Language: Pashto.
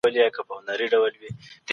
پانګوال اوس اندېښنه ښيي.